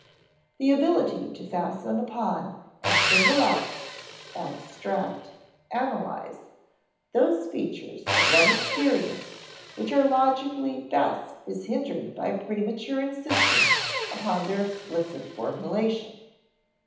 The ability to fasten upon and single out (abstract, analyze) those features of one experience which are logically best is hindered by premature insistence upon their explicit formulation.